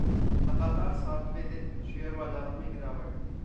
लगातार सातवें दिन शेयर बाजारों में गिरावट